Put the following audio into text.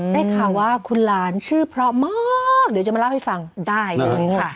ได้ข่าวว่าคุณหลานชื่อเพราะมากเดี๋ยวจะมาเล่าให้ฟังได้เลยค่ะ